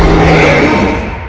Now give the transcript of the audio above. kehendak di alam